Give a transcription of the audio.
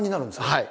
はい。